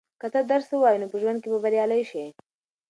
که ته درس ووایې نو په ژوند کې به بریالی شې.